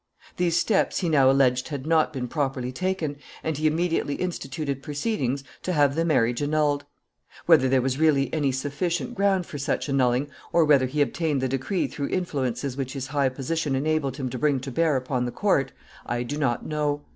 These steps he now alleged had not been properly taken, and he immediately instituted proceedings to have the marriage annulled. Whether there was really any sufficient ground for such annulling, or whether he obtained the decree through influences which his high position enabled him to bring to bear upon the court, I do not know.